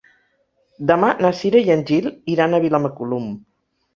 Demà na Cira i en Gil iran a Vilamacolum.